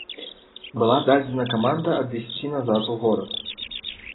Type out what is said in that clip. Была дадзена каманда адысці назад у горад.